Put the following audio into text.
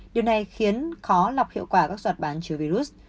điều này khiến khó lọc hiệu quả các giọt bán chứa virus